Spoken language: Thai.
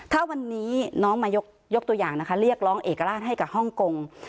ถ้าวันนี้น้องมายกตัวอย่างนะคะเรียกร้องเอกราชให้กับฮ่องกง